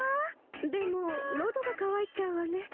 でものどがかわいちゃうわね。